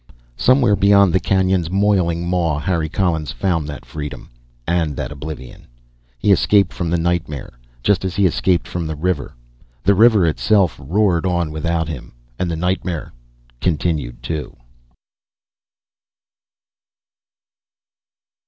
Somewhere beyond the canyon's moiling maw, Harry Collins found that freedom and that oblivion. He escaped from the nightmare, just as he escaped from the river. The river itself roared on without him. And the nightmare continued, too....